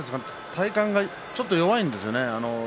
体幹がちょっと弱いですよね。